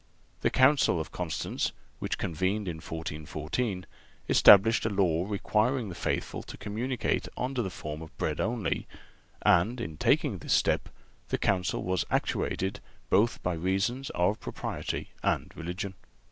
The Council of Constance, which convened in 1414, established a law requiring the faithful to communicate under the form of bread only; and in taking this step, the Council was actuated both by reasons of propriety and of religion.